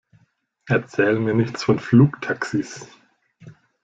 Erzähl mir nichts von Flugtaxis!